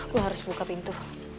gue harus buka pintu